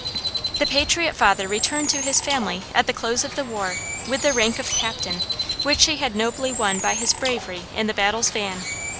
The patriot father returned to his family at the close of the war with the rank of Captain, which he had nobly won by his bravery in the battle's van.